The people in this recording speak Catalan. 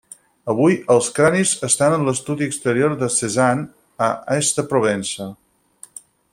Avui els cranis estan en l'estudi exterior de Cézanne d'Ais de Provença.